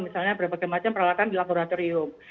misalnya berbagai macam peralatan dilaporan